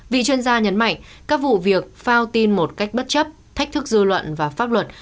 vị chuyên gia nhấn mạnh các vụ việc phao tin một cách bất chấp thách thức dư luận và pháp luật